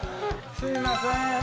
すいませんね